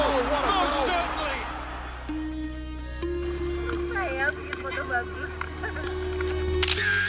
susah ya bikin foto bagus